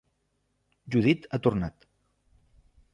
Judit ha tornat.